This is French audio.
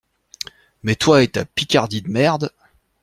Mais toi et ta Picardie de merde.